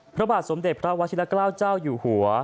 พระบาทสมเด็จพระวชิละเกล้าเจ้าอยู่หัว